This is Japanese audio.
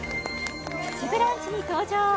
「プチブランチ」に登場